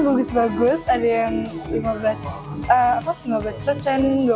bagus bagus ada yang lima belas dua puluh lima jadi ada banyak jualan besar di sini